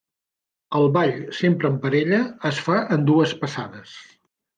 El ball, sempre en parella, es fa en dues passades.